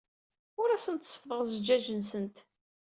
Ur asent-seffḍeɣ zzjaj-nsent.